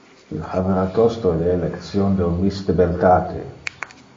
Il habera tosto le election de un miss de beltate.